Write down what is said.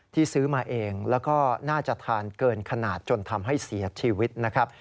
ซื้อมาเองแล้วก็น่าจะทานเกินขนาดจนทำให้เสียชีวิตนะครับ